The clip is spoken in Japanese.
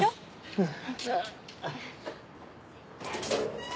うん。